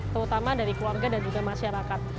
terutama dari keluarga dan juga masyarakat